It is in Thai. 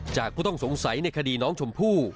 ผู้ต้องสงสัยในคดีน้องชมพู่